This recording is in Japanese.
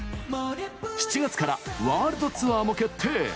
７月からワールドツアーも決定！